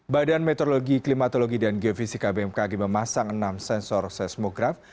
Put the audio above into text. badan meteorologi klimatologi dan geofisika bmkg memasang enam sensor seismograf